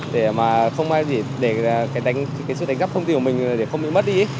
để mà không ai để cái sự đánh giáp thông tin của mình để không bị mất đi